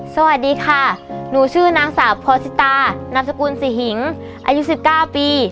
สวัสดีค่ะหนูชื่อนางสาวพอสิตานามสกุลศรีหิงอายุ๑๙ปี